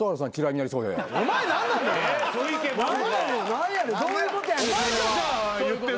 何やねんどういうことやねんそれは。